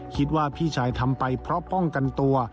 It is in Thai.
คิดว่าพี่ชายทำไปเพราะป้องกันตัว